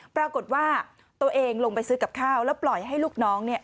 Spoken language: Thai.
ปรากฏว่าตัวเองลงไปซื้อกับข้าวแล้วปล่อยให้ลูกน้องเนี่ย